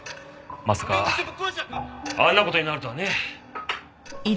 まさかあんな事になるとはね。